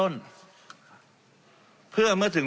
ในการที่จะระบายยาง